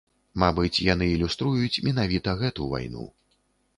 Мабыць, яны ілюструюць менавіта гэту вайну.